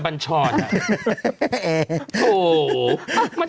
มันเหมือนอ่ะ